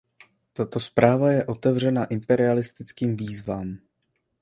Tato zpráva je otevřena imperialistickým výzvám.